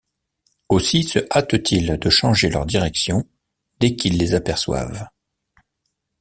Aussi se hâtent-ils de changer leur direction, dès qu’ils les aperçoivent.